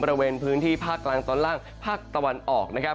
บริเวณพื้นที่ภาคกลางตอนล่างภาคตะวันออกนะครับ